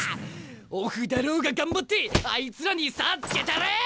オフだろうが頑張ってあいつらに差ぁつけたらぁ！